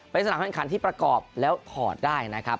เป็นสนามแข่งขันที่ประกอบแล้วถอดได้นะครับ